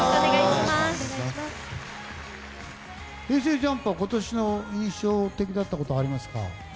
ＪＵＭＰは今年の印象的だったことありますか？